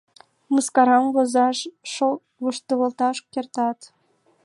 Мыскарам возаш, воштылташ кертат.